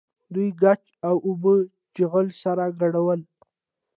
دوی ګچ او اوبه او چغل سره ګډول.